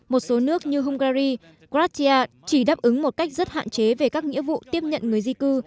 một số nước như hungary kratia chỉ đáp ứng một cách rất hạn chế về các nghĩa vụ tiếp nhận người di cư